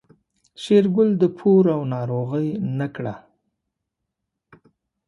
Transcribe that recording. شېرګل د پور او ناروغۍ نه کړه.